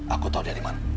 aku tahu dia dimana